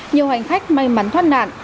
nhiều hành khách may mắn thoát nạn